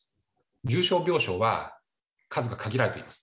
重症病床は数が限られてます。